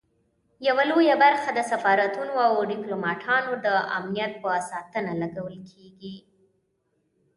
یوه لویه برخه د سفارتونو او ډیپلوماټانو د امنیت په ساتنه لګول کیږي.